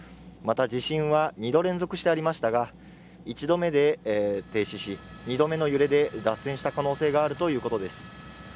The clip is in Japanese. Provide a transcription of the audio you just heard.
また地震は２度連続しておりましたが１度目で停止し２度目の揺れで脱線した可能性があるということです